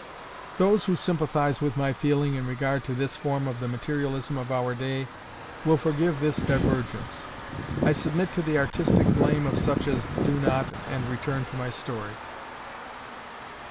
Those who sympathize with my feeling in regard to this form of the materialism of our day, will forgive this divergence. I submit to the artistic blame of such as do not, and return to my story.